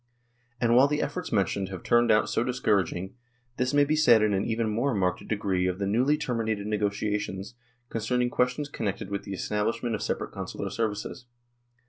" And while the efforts mentioned have turned out so discouraging, this may be said in an even more marked degree of the newly terminated negotiations " concerning questions connected with the establishment of separate Consular services.